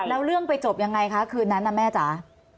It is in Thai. แล้วเรื่องไปจบยังไงคะคืนนั้นนะแม่จ๋า